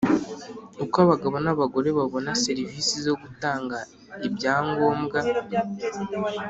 Uko abagabo n abagore babona serivisi zo gutanga ibyangombwa